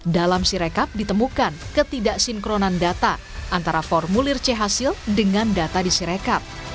dalam sirekap ditemukan ketidaksinkronan data antara formulir c hasil dengan data di sirekat